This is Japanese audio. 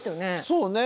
そうね。